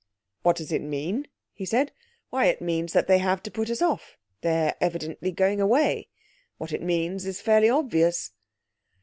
'What does it mean?' he said. 'Why it means that they have to put us off. They are evidently going away. What it means is fairly obvious.'